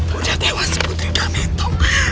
putri udah tewas putri udah mentok